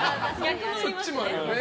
そっちもあるよね。